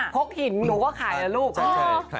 คกหินผมก็ขายละลูก